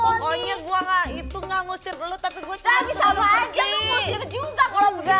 pokoknya gue gak ngusir lo tapi gue cek tuh lo pergi